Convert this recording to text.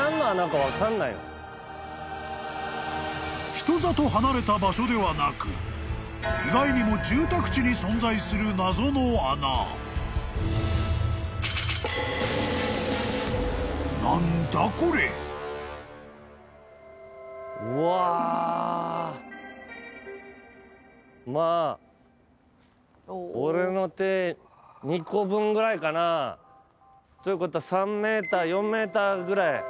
［人里離れた場所ではなく意外にも住宅地に存在する謎の穴］うわ。ということは３ｍ４ｍぐらい。